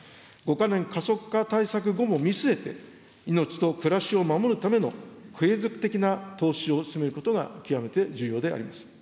５か年加速化対策後も見据えて、命と暮らしを守るための継続的な投資を進めることが極めて重要であります。